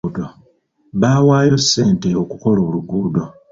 Baawaayo ssente okukola oluguudo.